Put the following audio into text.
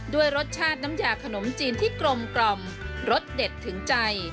ด้วยรสชาติน้ำยาขนมจีนที่กลมกล่อมรสเด็ดถึงใจ